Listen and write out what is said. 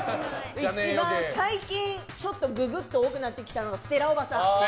一番最近ぐぐっと多くなってきたのがステラおばさん。